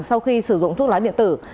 sau khi sử dụng thuốc lá điện tử